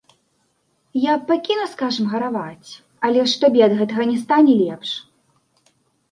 Я пакіну, скажам, гараваць, але ж табе ад гэтага не стане лепш.